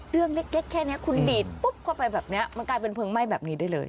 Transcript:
เรื่องเล็กแค่นี้คุณดีดปุ๊บเข้าไปแบบนี้มันกลายเป็นเพลิงไหม้แบบนี้ได้เลย